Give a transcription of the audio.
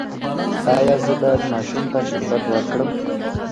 ایا زه باید ماشوم ته شربت ورکړم؟